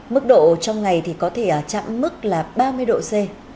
mức độ trong ngày thì có thể chạm mức là ba mươi độ c